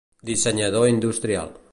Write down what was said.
Dissenyador industrial.